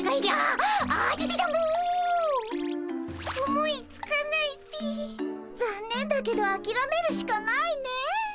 思いつかないっピ。ざんねんだけどあきらめるしかないね。